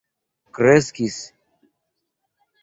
kreskis